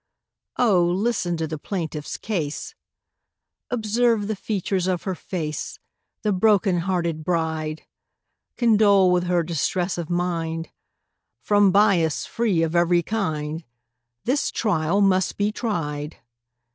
Oh, listen to the plaintiff's case: Observe the features of her face— The broken hearted bride! Condole with her distress of mind— From bias free of every kind, This trial must be tried!